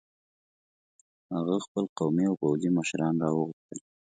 هغه خپل قومي او پوځي مشران را وغوښتل.